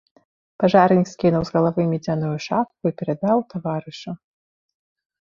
Пажарнік скінуў з галавы мядзяную шапку і перадаў таварышу.